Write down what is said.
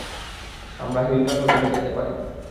আমরা হিলটন হোটেলে যেতে পারি।